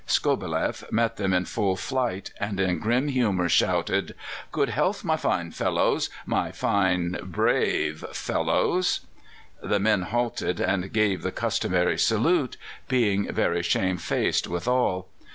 Skobeleff met them in full flight, and in grim humour shouted: "Good health, my fine fellows my fine, brave fellows!" The men halted and gave the customary salute, being very shamefaced withal.